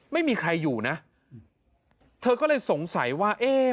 ไม่มีใครอยู่นะเธอก็เลยสงสัยว่าเอ๊ะ